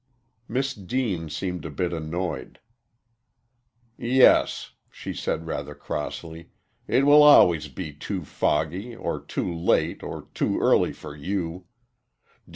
Miss Deane seemed a bit annoyed. "Yes," she said, rather crossly, "it will always be too foggy, or too late, or too early for you.